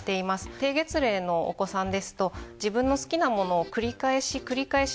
低月齢のお子さんですと自分の好きなものを繰り返し繰り返し